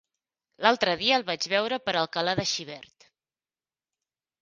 L'altre dia el vaig veure per Alcalà de Xivert.